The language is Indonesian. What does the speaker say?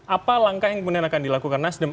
apa langkah yang kemudian akan dilakukan nasdem